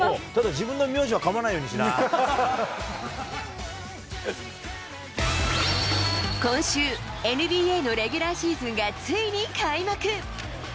自分の名字はかまないように今週、ＮＢＡのレギュラーシーズンがついに開幕。